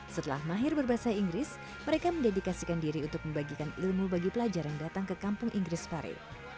setelah mahir berbahasa inggris mereka mendedikasikan diri untuk membagikan ilmu bagi pelajar yang datang ke kampung inggris pare